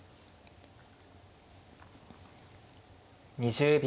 ２０秒。